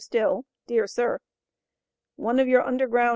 STILL: Dear Sir: One of your Underground R.